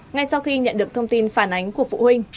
ngay sau khi nhận được thông tin phản ánh của phụ huynh